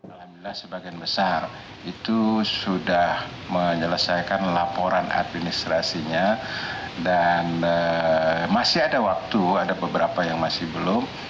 alhamdulillah sebagian besar itu sudah menyelesaikan laporan administrasinya dan masih ada waktu ada beberapa yang masih belum